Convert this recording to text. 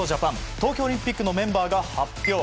東京オリンピックのメンバーが発表。